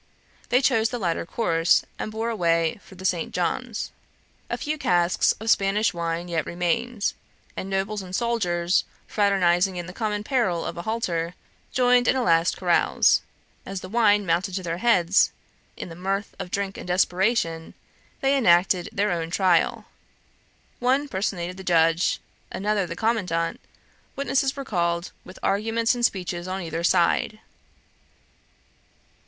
They chose the latter course, and bore away for the St. John's. A few casks of Spanish wine yet remained, and nobles and soldiers, fraternizing in the common peril of a halter, joined in a last carouse. As the wine mounted to their heads, in the mirth of drink and desperation, they enacted their own trial. One personated the judge, another the commandant; witnesses were called, with arguments and speeches on either side.